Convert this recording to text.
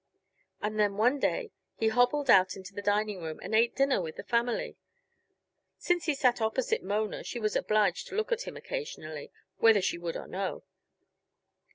And then one day he hobbled out into the dining room and ate dinner with the family. Since he sat opposite Mona she was obliged to look at him occasionally, whether she would or no.